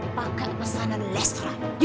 pake pesanan restoran